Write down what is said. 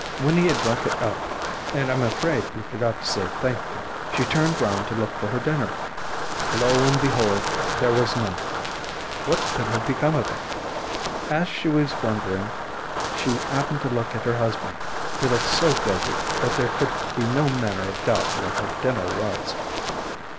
When he had drunk it up (and I am afraid he forgot to say thank you), she turned round to look for her dinner. Lo and behold! there was none. What could have become of it? As she was wondering, she happened to look at her husband; he looked so guilty that there could be no manner of doubt where her dinner was.